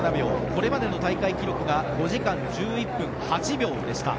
これまでの大会記録が５時間１１分８秒でした。